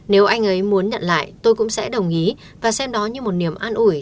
nếu anh ấy muốn nhận lại tôi cũng sẽ đồng ý và xem đó như một niềm an ủi